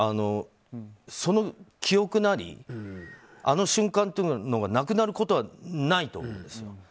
その記憶なりあの瞬間というのがなくなることはないと思うんですよ。